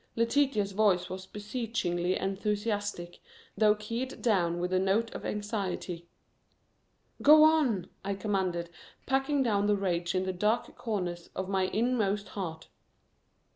Letitia's voice was beseechingly enthusiastic, though keyed down with a note of anxiety. "Go on!" I commanded, packing down the rage in the dark corners of my inmost heart.